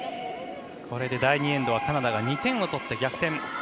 第２エンドはカナダが２点取って逆転。